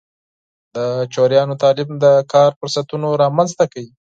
د نجونو تعلیم د کار فرصتونه رامنځته کوي.